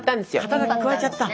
肩書加えちゃった。